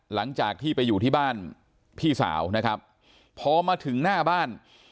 หลังจากที่ไปอยู่ที่บ้านพี่สาวนะครับพอมาถึงหน้าบ้าน